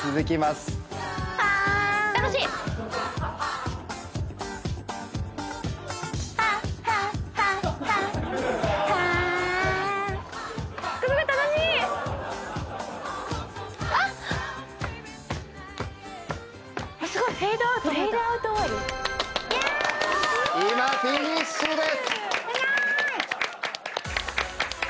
すごーい！